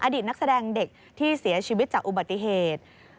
อดีตนักแสดงเด็กที่เสียชีวิตจากอุบัติเหตุ